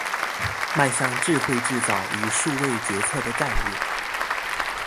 邁向智慧製造與數位決策的戰略